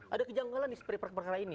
ada kejanggalan di perperkaraan ini